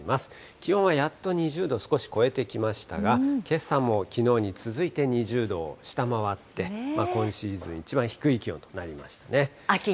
気温はやっと２０度を少し超えてきましたが、けさもきのうに続いて２０度を下回って、今シーズン一番低い気温となりましたね。